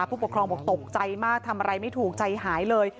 ผู้ปกครองบอกตกใจมากทำอะไรไม่ถูกใจหายเลย